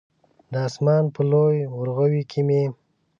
د اسمان په لوی ورغوي کې مې